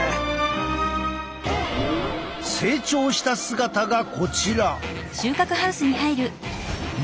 成長した姿がこちら！